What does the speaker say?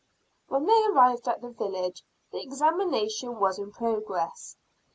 When they arrived at the village, the examination was in progress.